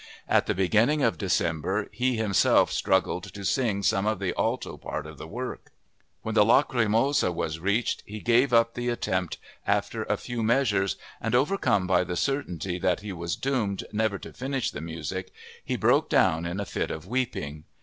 At the beginning of December he himself struggled to sing some of the alto part of the work. When the Lacrymosa was reached he gave up the attempt after a few measures and, overcome by the certainty that he was doomed never to finish the music, he broke down in a fit of weeping.